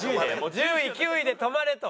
１０位９位で止まれと。